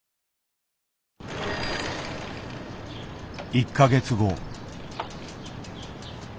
１か月後。